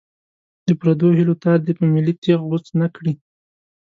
د پردو هیلو تار دې په ملي تېغ غوڅ نه کړي.